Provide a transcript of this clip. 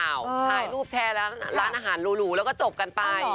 ถ่ายรูปแชร์ร้านอาหารหรูแล้วก็จบกันไป